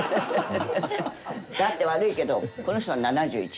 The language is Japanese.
だって悪いけどこの人は７１。